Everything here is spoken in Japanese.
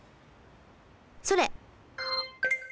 それ。